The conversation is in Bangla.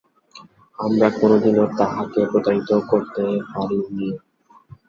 আমরা কোনদিনই তাঁহাকে প্রতারিত করিতে পারি না।